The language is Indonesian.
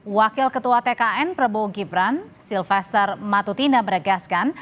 wakil ketua tkn prabowo gibran silvester matutina beregaskan